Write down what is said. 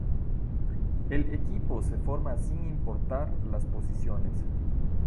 El equipo se forma sin importar las posiciones.